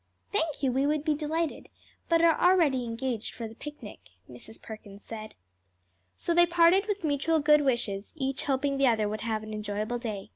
"Thank you, we would be delighted, but are already engaged for the picnic," Mrs. Perkins said. So they parted with mutual good wishes, each hoping the other would have an enjoyable day.